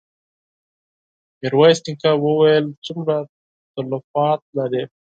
ميرويس نيکه وويل: څومره تلفات لرې؟